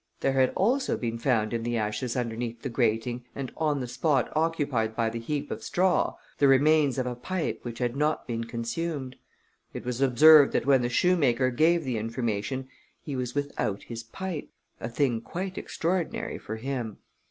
There had also been found in the ashes underneath the grating and on the spot occupied by the heap of straw, the remains of a pipe which had not been consumed. It was observed that when the shoemaker gave the information, he was without his pipe, a thing quite extraordinary for him.